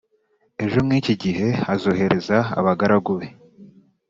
ejo nk iki gihe azohereza abagaragu be